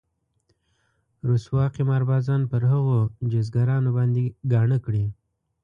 رسوا قمار بازان پر هغو جيزګرانو باندې ګاڼه کړي.